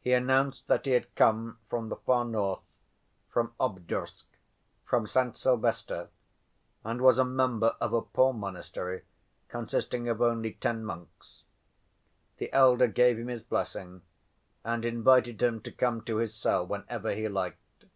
He announced that he had come from the far north, from Obdorsk, from Saint Sylvester, and was a member of a poor monastery, consisting of only ten monks. The elder gave him his blessing and invited him to come to his cell whenever he liked.